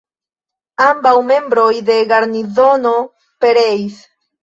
Ambaŭ membroj de garnizono pereis.